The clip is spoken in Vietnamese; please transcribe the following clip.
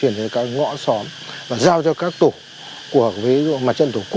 ý nghĩa tầm quan trọng